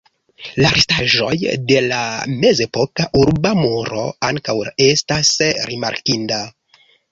La restaĵoj de la mezepoka urba muro ankaŭ estas rimarkinda.